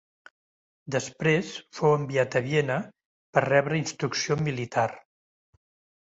Després fou enviat a Viena per rebre instrucció militar.